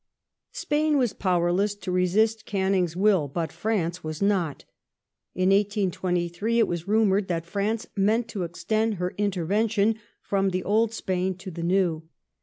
*'&pain was powerless to resist Canning's will, but France was not. In 1823 it was rumoured that France meant to extend her intervention from the Old Spain to the New.